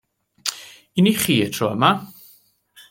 Un i chi y tro yma.